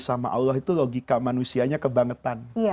sama allah itu logika manusianya kebangetan